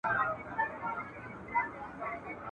موږ د اسلامي اصولو په روڼا کي ژوند کوو.